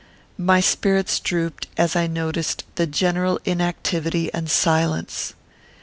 My spirits drooped as I noticed the general inactivity and silence.